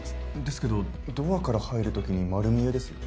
ですけどドアから入るときに丸見えですよ。